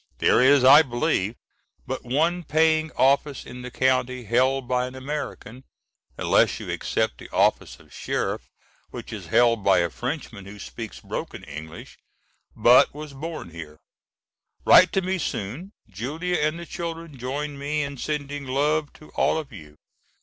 There is, I believe, but one paying office in the county held by an American, unless you except the office of Sheriff which is held by a Frenchman who speaks broken English, but was born here. Write to me soon. Julia and the children join me in sending love to all of you.